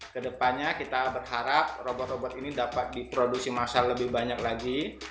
kedepannya kita berharap robot robot ini dapat diproduksi masal lebih banyak lagi